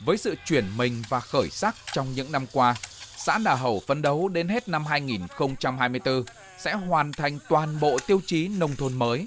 với sự chuyển mình và khởi sắc trong những năm qua xã đà hậu phấn đấu đến hết năm hai nghìn hai mươi bốn sẽ hoàn thành toàn bộ tiêu chí nông thôn mới